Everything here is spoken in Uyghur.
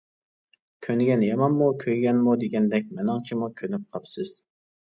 -كۆنگەن يامانمۇ كۆيگەنمۇ دېگەندەك مېنىڭچىمۇ كۆنۈپ قاپسىز.